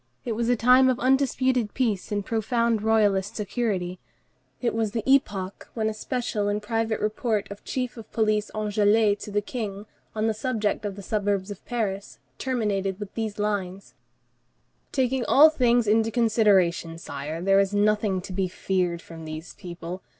It was a time of undisputed peace and profound royalist security; it was the epoch when a special and private report of Chief of Police Anglès to the King, on the subject of the suburbs of Paris, terminated with these lines:— "Taking all things into consideration, Sire, there is nothing to be feared from these people.